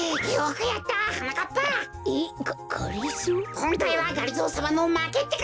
こんかいはがりぞーさまのまけってか！